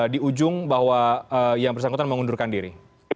di ujung bahwa yang bersangkutan mengundurkan diri